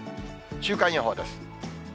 週間予報です。